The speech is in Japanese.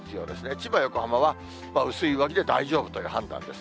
千葉、横浜は薄い上着で大丈夫という判断です。